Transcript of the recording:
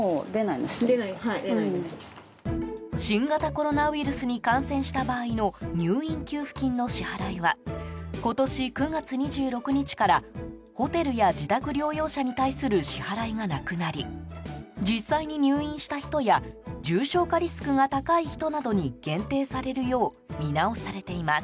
新型コロナウイルスに感染した場合の入院給付金の支払いは今年９月２６日からホテルや自宅療養者に対する支払いがなくなり実際に入院した人や重症化リスクが高い人などに限定されるよう見直されています。